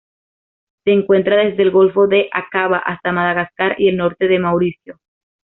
Se encuentra desde el Golfo de Aqaba hasta Madagascar y el norte de Mauricio.